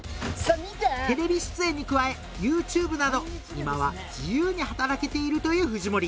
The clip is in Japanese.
テレビ出演に加えＹｏｕＴｕｂｅなど今は自由に働けていると言う藤森